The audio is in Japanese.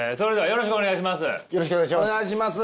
よろしくお願いします。